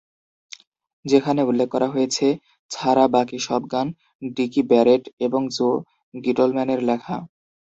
যেখানে উল্লেখ করা হয়েছে, ছাড়া বাকি সব গান ডিকি ব্যারেট এবং জো গিটলম্যানের লেখা।